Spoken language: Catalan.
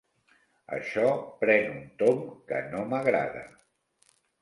Això pren un tomb que no m'agrada.